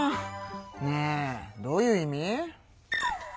ねえどういう意味？